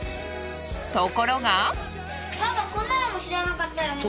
ところが。